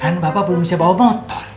kan bapak belum bisa bawa bot